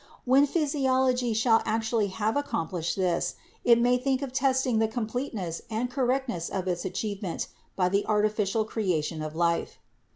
When physiology shall actually have accomplished this, it may think of testing the completeness and correctness of its achievement by the artificial crea tion of life.